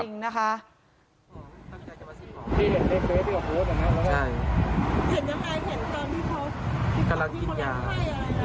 เห็นการกินยา